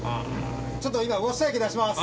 ちょっと今ウォッシャー液出します。